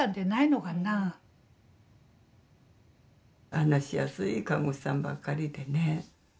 話しやすい看護師さんばっかりでねうん。